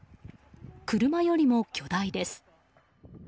車よりも巨大です。